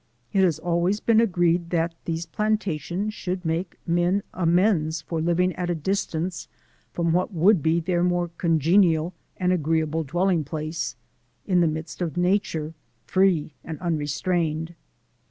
It has always been agreed that these plantations should make men amends for living at a distance from what would be their more congenial and agreeable dwelling place in the midst of nature, free and unrestrained.'"